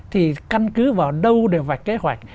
thì căn cứ vào đâu để vạch kế hoạch